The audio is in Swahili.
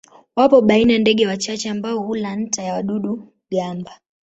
Wapo baina ndege wachache ambao hula nta ya wadudu-gamba.